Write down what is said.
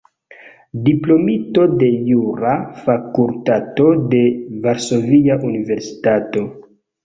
Diplomito de Jura Fakultato de Varsovia Universitato.